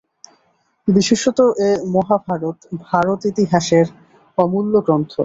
বিশেষত এ মহাভারত ভারতেতিহাসের অমূল্য গ্রন্থ।